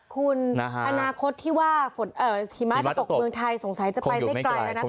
คุณอนาคตที่ว่าฝนหิมะจะตกเมืองไทยสงสัยจะไปไม่ไกลแล้วนะ